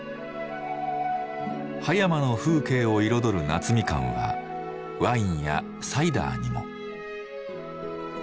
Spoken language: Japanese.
葉山の風景を彩る夏みかんはワインやサイダーにも。